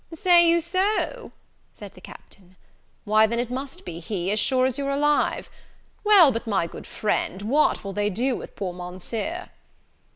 "Say you so?" said the Captain; "why then it must be he, as sure as you're alive! Well, but, my good friend, what will they do with poor Monseer?"